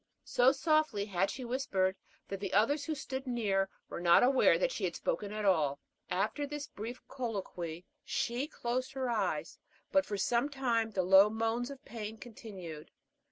So softly had she whispered, that the others who stood so near were not aware that she had spoken at all. After this brief colloquy she closed her eyes, but for some time the low moans of pain continued.